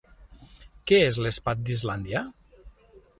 Què és l'espat d'Islàndia?